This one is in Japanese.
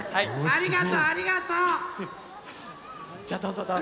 ありがとありがと！